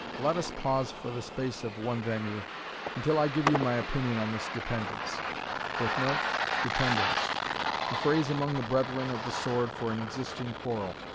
Let us pause for the space of one venue, until I give you my opinion on this dependence, [Footnote: Dependence A phrase among the brethren of the sword for an existing quarrel.